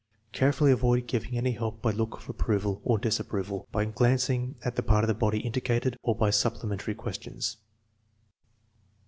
Carefully avoid giving any help by look of approval or disapproval, by glancing at the part of the body indicated, or by supplementary questions.